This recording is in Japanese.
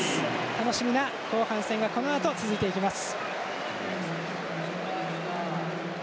楽しみな後半戦がこのあと続いていきます。